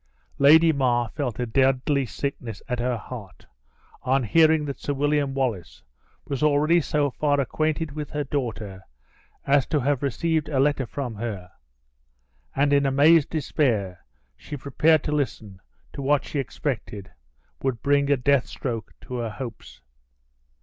Lady Mar felt a deadly sickness at her heart, on hearing that Sir William Wallace was already so far acquainted with her daughter as to have received a letter from her; and in amazed despair, she prepared to listen to what she expected would bring a death stroke to her hopes.